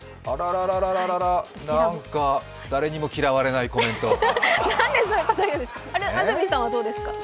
あららら、何か誰にも嫌われないコメント。